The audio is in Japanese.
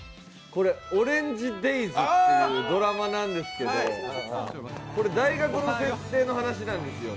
「オレンジデイズ」っていうドラマなんですけどこれ大学の設定の話なんですよ。